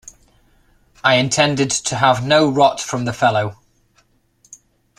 I intended to have no rot from the fellow.